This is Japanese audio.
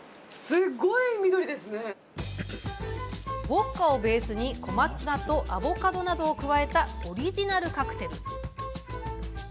ウォッカをベースに小松菜とアボカドなどを加えたオリジナルカクテル。